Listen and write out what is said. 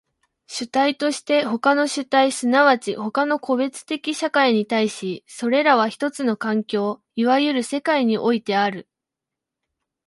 主体として他の主体即ち他の個別的社会に対し、それらは一つの環境、いわゆる世界においてある。